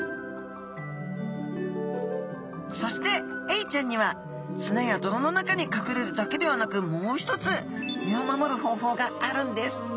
そしてエイちゃんには砂や泥の中に隠れるだけではなくもう一つ身を守る方法があるんです